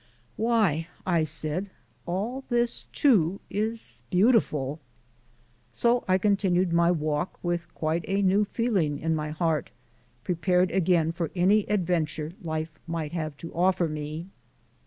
"Why," I said, "all this, too, is beautiful!" So I continued my walk with quite a new feeling in my heart, prepared again for any adventure life might have to offer me.